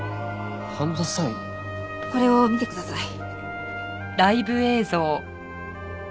これを見てください。